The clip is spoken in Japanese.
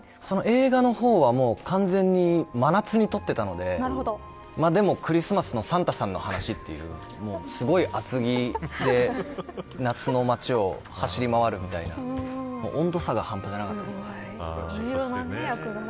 映画の方は完全に真夏に撮っていたのででも、クリスマスのサンタさんの話というすごい厚着で夏の街を走る回るみたいなすごい重要な役柄がね。